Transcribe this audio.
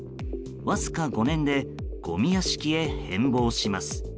わずか５年でごみ屋敷へ変貌します。